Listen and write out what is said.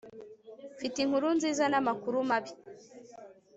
mfite inkuru nziza namakuru mabi